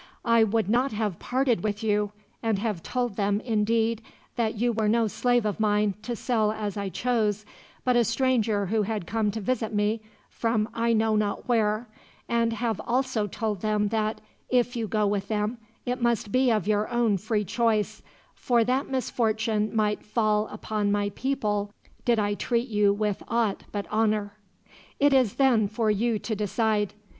I would not have parted with you; and have told them, indeed, that you were no slave of mine, to sell as I chose, but a stranger who had come to visit me from I know not where; and have also told them that, if you go with them, it must be of your own free choice, for that misfortune might fall upon my people, did I treat you with aught but honor. "It is, then, for you to decide.